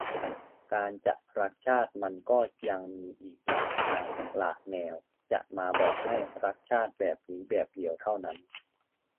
การจะรักชาติมันก็ยังมีอีกหลายทางหลากแนว จะมาบอกให้ 'รักชาติ' แบบนี้แบบเดียวเท่านั้น